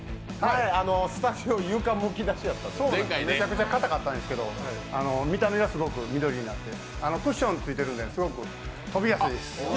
前回床むき出しでめちゃくちゃかたかったんですけど見た目が緑になってクッションついてるので、すごく飛びやすいです。